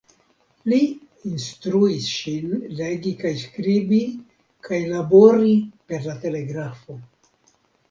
Li instruis ŝin legi kaj skribi kaj labori per la telegrafo.